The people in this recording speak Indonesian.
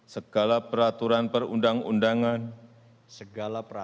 segala peraturan perundang undangan